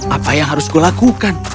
apa yang harus kulakukan